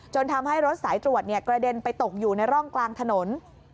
ทำให้รถสายตรวจกระเด็นไปตกอยู่ในร่องกลางถนน